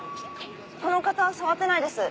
この方触ってないです。